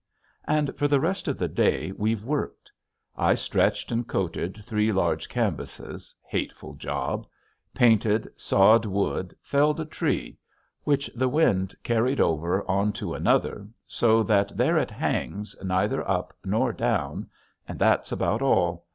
And for the rest of the day we've worked. I stretched and coated three large canvases, hateful job! painted, sawed wood, felled a tree which the wind carried over onto another so that there it hangs neither up nor down, and that's about all.